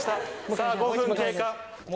さぁ５分経過。